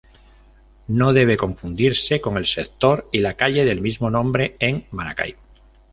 No debe confundirse con el sector y la calle del mismo nombre en Maracaibo.